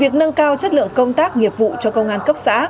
việc nâng cao chất lượng công tác nghiệp vụ cho công an cấp xã